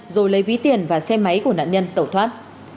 rồi lấy ví tiền và xe máy của nạn nhân tẩu thoát